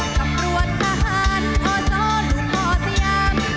กับรวจทหารอสหรืออสยาม